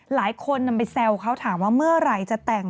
หลายคนนำไปแซวเขาถามว่าเมื่อไหร่จะแต่ง